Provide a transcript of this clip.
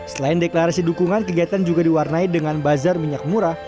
selain deklarasi dukungan kegiatan juga diwarnai dengan bazar minyak murah